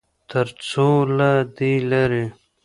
ترڅوله دې لارې